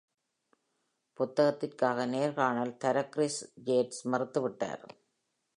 புத்தகத்திற்காக நேர்காணல் தர Chris Yates மறுத்துவிட்டார்.